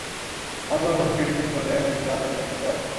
আমার কোনো বন্ধু ক্রিয়েটিভ কিছু করলে, লিখলে আমরা সেটা পড়তে পারি না।